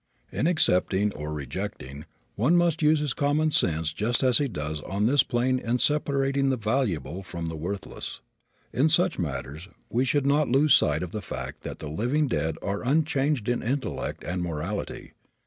In accepting or rejecting, one must use his common sense just as he does on this plane in separating the valuable from the worthless. In such matters we should not lose sight of the fact that the living dead are unchanged in intellect and morality.